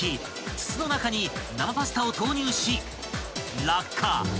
筒の中に生パスタを投入し落下］